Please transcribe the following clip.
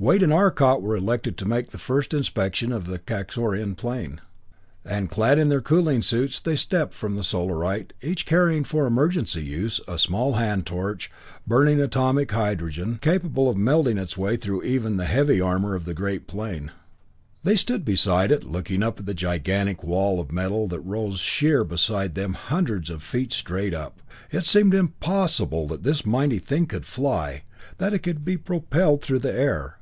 Wade and Arcot were elected to make the first inspection of the Kaxorian plane, and clad in their cooling suits, they stepped from the Solarite, each carrying, for emergency use, a small hand torch, burning atomic hydrogen, capable of melting its way through even the heavy armor of the great plane. As they stood beside it, looking up at the gigantic wall of metal that rose sheer beside them hundreds of feet straight up, it seemed impossible that this mighty thing could fly, that it could be propelled through the air.